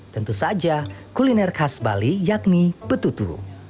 tentu saja kuliner khas bali yakni betutu